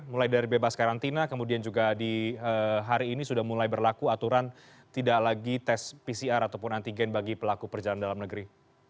mulai dari bebas karantina kemudian juga di hari ini sudah mulai berlaku aturan tidak lagi tes pcr ataupun antigen bagi pelaku perjalanan dalam negeri